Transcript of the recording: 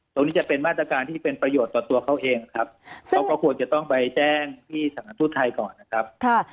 จะเป็นมาตรการที่เป็นประโยชน์ต่อตัวเขาเองครับเขาก็ควรจะต้องไปแจ้งที่สถานทูตไทยก่อนนะครับ